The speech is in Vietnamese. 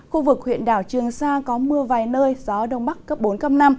khu vực huyện đảo trường sa có mưa vài nơi gió đông bắc cấp bốn cấp năm